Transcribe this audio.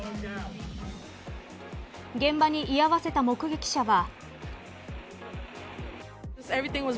現場に居合わせた目撃者は。